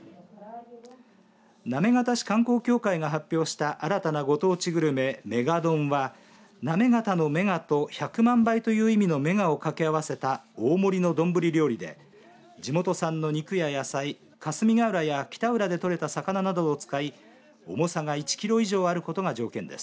行方市観光協会が発表した新たなご当地グルメｍａｇａｄｏｎはなめがたの、めがと１００万倍という意味のメガを掛け合わせた大盛りの丼料理で地元産の肉や野菜霞ヶ浦や北浦で取れた魚などを使い重さが１キロ以上あることが条件です。